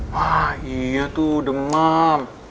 wah iya tuh demam